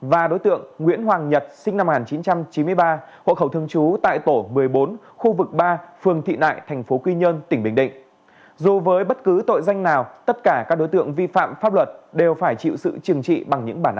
và đối tượng nguyễn hoàng nhật sinh năm một nghìn chín trăm chín mươi ba hộ khẩu thương chú tại tổ một mươi bốn khu vực ba phường thị nại thành phố quy nhơn tỉnh bình định